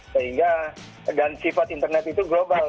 sehingga dan sifat internet itu global